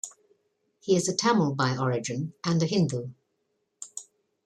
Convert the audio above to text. He is a Tamil by origin and a Hindu.